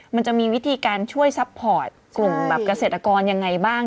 มันจะมีวิธีการช่วยซัพพอร์ตกลุ่มแบบเกษตรกรยังไงบ้าง